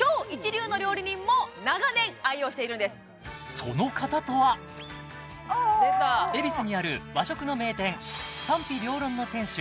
私その方とは恵比寿にある和食の名店賛否両論の店主